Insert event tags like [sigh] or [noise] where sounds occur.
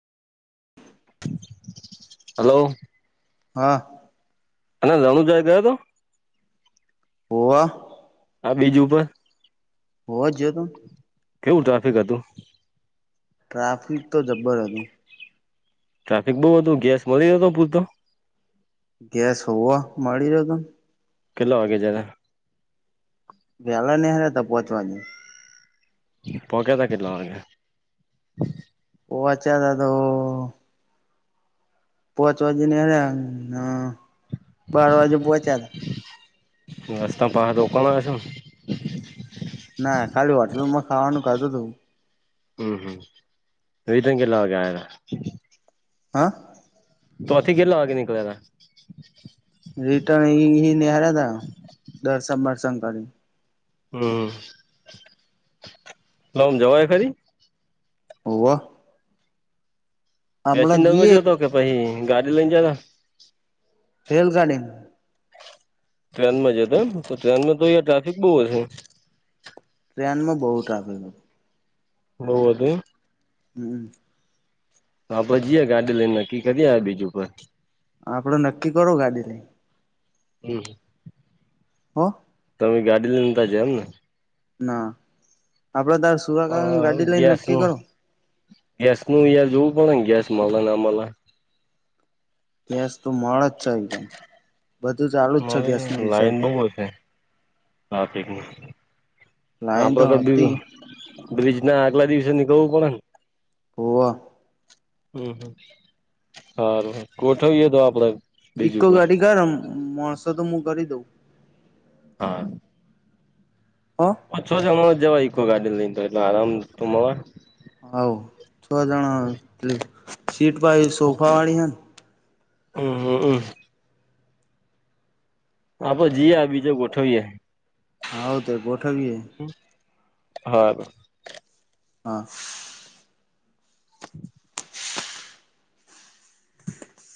Hello હાહ અને રાણુજા ગયો તો હોવા હ બીજું ઉપ હો જ જો તું કેવું ટ્રાફિક હતું ટ્રાફિક તો જબ્બર હતું ટ્રાફિક બઉ હતું ગેસ મળી ગતો પૂરતો ગેસ હોવ મળી રહ્યો ત કેટલા વાગે જ્યારે વેલા નહ્યા હતા પોહોચવાની પોકેતા કેટલાવાગે પોવા છે દ તો પોહોચવા જ ને હ બાર વાજે પોહોચ્યા હતા રસ્તા પારા તો ઓકાલ હ છેો ના ખાલી હોટલમાં ખાવાનું કાધું હતું હમ હમ રધંગે લવાગ હા તોથી કેટલાવાગે નીકળા હતા રિટર્ન એ નિહાર્યા હતા દર્શનસન કરી હમમ જવાય ખરી હોવા એસી ન મજો તો કે ભાઈ ગાડી લઈને જના રેલગાડી ટ્રેન માં જ તો એમ તો ટ્રેનમાં તો અ ટ્રાફિક બહુ હશે ટ્રેનમાં બહુ ટ્રાફિક હત હોવદ હમ હભ જઈએ ગાડી લઈને નક્કી કરી્યા બીજુ ઉપર આપડે નક્કી કરું ગાડીને હમ હા. તમે ગાડી લઈનેતા જ એમ ને. ના આપડે તાર અ સુરાકા ગાડી લઈને ગેસ નક્કી નું કરો. ગેસ નું જોવું પડે ને ગેસ મલા ના મલા. ગેસ તો મળે જ છે. બધું ચાલુ જ છે ગેસ નો વિષય. લાઈન બહુ હશે ટ્રાફિકની લાઈન તો હતી. બ્રિજ ના આગલા દિવસે નીકળવું પડે ને. હોવ હમ હમ હા ગોઠવીએ તો આપડે બીજું ઈકો પર ગાડી ગરમ માણસો તો હું કરી દઉ. હા. હો ઓછો [unintelligible] આરામ તો મળે હોવ છ જણા સીટ ભાઈ સોફા વાળી હેને હમ્મ હમ્મ આપ જીએ બીજો ગોઠવીએ. હા, તો ગોઠવીએ. હા. હા.